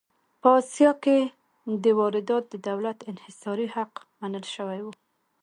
په اسیا کې دا واردات د دولت انحصاري حق منل شوي وو.